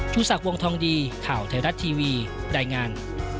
ชู้ศักดิ์วงทองดีข่าวไทยรัฐทีวีได้งาน